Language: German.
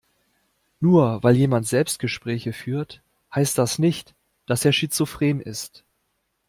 Nur weil jemand Selbstgespräche führt, heißt das nicht, dass er schizophren ist.